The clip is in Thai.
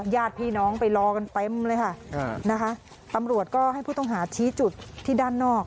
ญาติพี่น้องไปรอกันเต็มเลยค่ะนะคะตำรวจก็ให้ผู้ต้องหาชี้จุดที่ด้านนอก